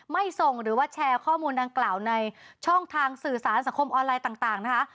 ไม่ส่งหรือว่าแชร์ข้อมูลดังกล่าวในช่องทางสื่อสารสังคมออนไลน์ต่างนะคะ